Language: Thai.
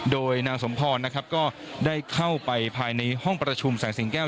โดยนางสมพรนะครับก็ได้เข้าไปภายในห้องประชุมแสงสิงแก้ว